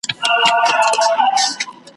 لکه له باد سره الوتې وړۍ `